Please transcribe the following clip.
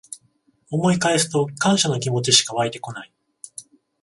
思い返すと感謝の気持ちしかわいてこない